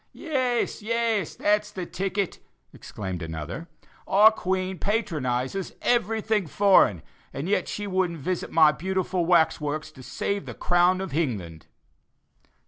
"Yes, yes, that's the ticket," exclaimed another; "our Queen patronizes everything foreign, and yet she wouldn't visit my beautiful wax works to save the crown of Hingland."